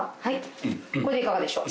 これでいかがでしょう？